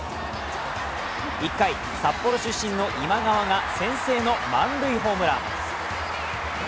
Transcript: １回、札幌出身の今川が先制の満塁ホームラン。